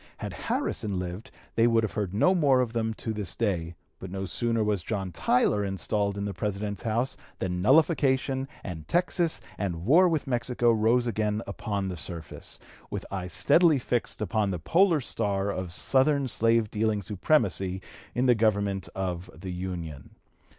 Had Harrison lived they would have heard no more of them to this day, but no sooner was John Tyler installed in the President's House than nullification and Texas and war with Mexico rose again upon the surface, with eye steadily fixed upon the Polar Star of Southern slave dealing supremacy in the government of the Union."